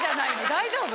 大丈夫？